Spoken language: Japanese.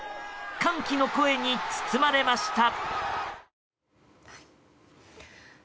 歓喜の声に包まれました。